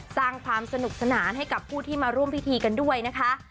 สร้างความสนุกสนานให้กับผู้ที่มาร่วมพิธีกันด้วยนะคะ